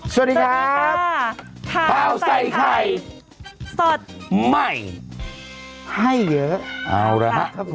สวัสดีครับข้าวใส่ไข่สดใหม่ให้เยอะเอาละครับผม